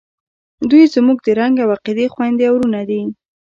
دوئ زموږ د رنګ او عقیدې خویندې او ورونه دي.